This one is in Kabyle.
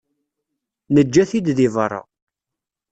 Neǧǧa-t-id di berra.